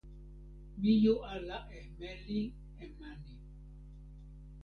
mi jo ala e meli e mani.